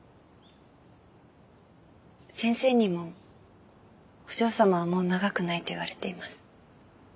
先生にもお嬢様はもう長くないと言われています。